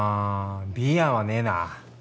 Ｂ案はねえな